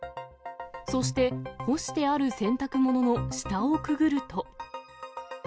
そして、干してある洗濯物の下をくぐると。